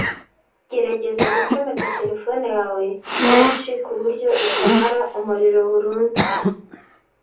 gerageza gucomeka telephone yawe kenshi ku buryo itamara umuriro burundu